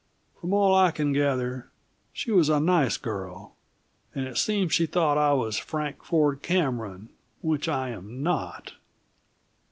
From all I can gather, she was a nice girl, and it seems she thought I was Frank Ford Cameron which I am not!"